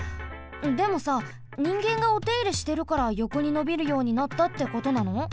でもさにんげんがおていれしてるからよこにのびるようになったってことなの？